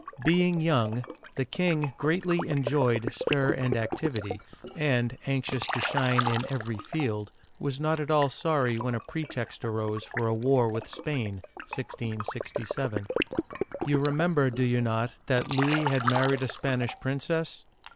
Being young, the king greatly enjoyed stir and activity, and, anxious to shine in every field, he was not at all sorry when a pretext arose for a war with Spain (1667). You remember, do you not, that Louis had married a Spanish princess.